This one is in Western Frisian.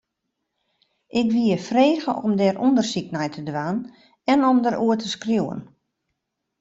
Ik wie frege om dêr ûndersyk nei te dwaan en om dêroer te skriuwen.